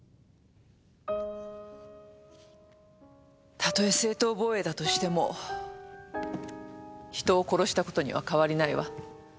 例え正当防衛だとしても人を殺したことにはかわりないわ。